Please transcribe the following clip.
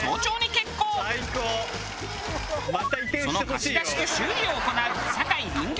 その貸し出しと修理を行う。